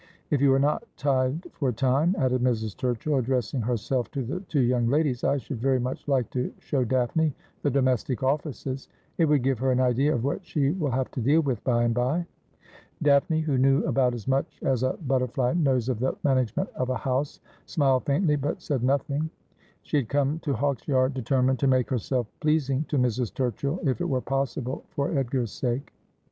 If you are not tied for time,' added Mrs. Tur chill, addressing herself to the two young ladies, ' I should very much like to show Daphne the domestic ofi&ces. It would give her an idea of what she will have to deal with by and by.' Daphne, who knew about as much as a butterfly knows of the management of a house, smiled faintly but said nothing. She had come to Hawksyard determined to make herself pleas ing to Mrs. Turchill, if it were possible, for Edgar's sake.